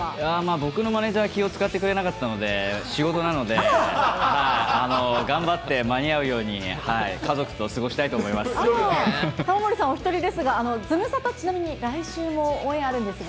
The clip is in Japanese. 僕のマネージャーは気を遣ってくれなかったので、仕事なので、頑張って間に合うように、家族と玉森さんはお１人ですが、ズムサタ、ちなみに来週もオンエアあるんですが。